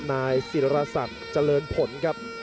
นายสิรษัตริย์เจริญผลครับ